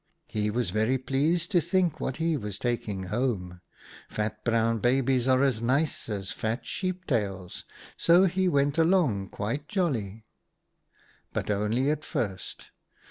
He was very pleased to think what he was taking home ; fat brown babies are as nice as fat sheep tails, so he went along quite jolly. * But only at first.